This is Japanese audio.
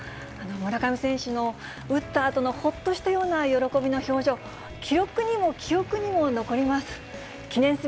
村上選手の打ったあとのほっとしたような喜びの表情、記録にも記憶にも残ります。